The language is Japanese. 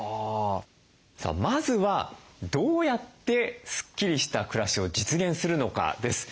さあまずはどうやってスッキリした暮らしを実現するのかです。